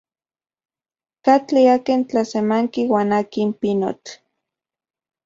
¿Katli akin tlasemanki uan akin pinotl?